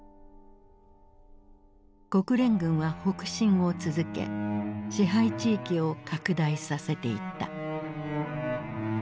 国連軍は北進を続け支配地域を拡大させていった。